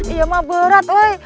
iya mah berat woy